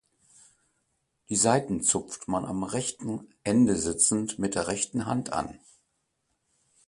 Die Saiten zupft man am rechten Ende sitzend mit der rechten Hand an.